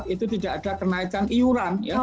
itu tidak ada kenaikan iuran ya